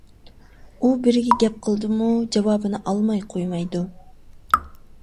ئۇ بىرىگە گەپ قىلدىمۇ، جاۋابىنى ئالماي قويمايدۇ.